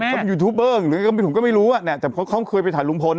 เขาเป็นยูทูเปอร์หรืออะไรก็ไม่รู้อ่ะเนี้ยแต่เขาเคยไปถ่ายลุงพลอ่ะ